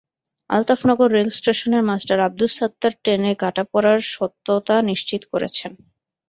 আলতাফনগর রেলস্টেশনের মাস্টার আবদুস সাত্তার ট্রেনে কাটা পড়ার সত্যতা নিশ্চিত করেছেন।